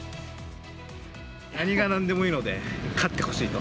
なにがなんでもいいので、勝ってほしいと。